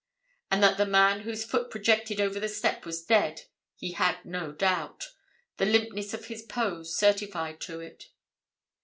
And that the man whose foot projected over the step was dead he had no doubt: the limpness of his pose certified to it.